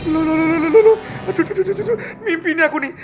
loh loh loh aduh aduh aduh aduh mimpi ini aku nih